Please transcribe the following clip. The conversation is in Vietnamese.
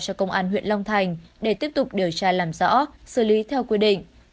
cho công an huyện long thành để tiếp tục điều tra làm rõ xử lý theo quy định